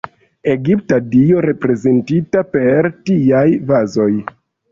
Egipta dio reprezentita per tiaj vazoj.